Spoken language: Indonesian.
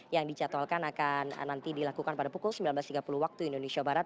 yang dicatalkan akan nanti dilakukan pada pukul sembilan belas tiga puluh waktu indonesia barat